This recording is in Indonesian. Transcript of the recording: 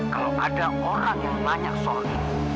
kalau ada orang yang tanya soal ini